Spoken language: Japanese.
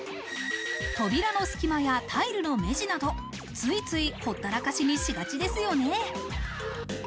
扉の隙間やタイルの目地などついつい、ほったらかしにしがちですよね？